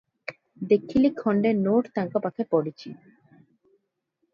ଦେଖିଲି ଖଣ୍ଡେ ନୋଟ ତାଙ୍କ ପାଖେ ପଡ଼ିଚି ।